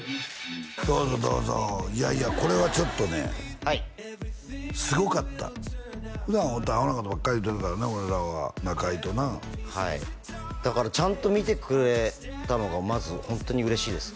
どうぞどうぞいやいやこれはちょっとねはいすごかった普段会うたらアホなことばっかり言うてるからね俺らは中居となはいだからちゃんと見てくれたのがまずホントに嬉しいです